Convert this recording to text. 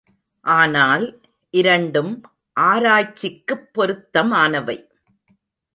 ஆனால் இரண்டும் ஆராய்ச்சிக்குப் பொருத்தமானவை.